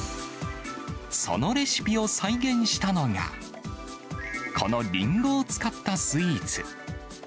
そのレシピを再現したのが、このリンゴを使ったスイーツ。